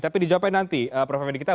tapi dijawabkan nanti prof m m d kita